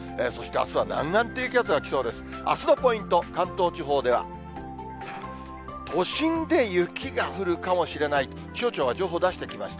あすのポイント、関東地方では、都心で雪が降るかもしれないと、気象庁が情報を出してきました。